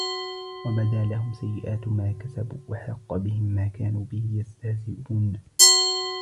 وبدا لهم سيئات ما كسبوا وحاق بهم ما كانوا به يستهزئون